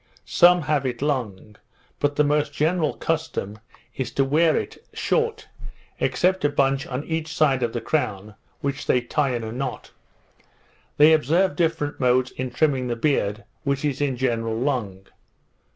Some have it long, but the most general custom is to wear it short, except a bunch on each side of the crown, which they tie in a knot. They observe different modes in trimming the beard, which is in general long.